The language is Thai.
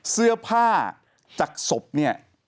เสื้อผ้าจากศพเนี่ย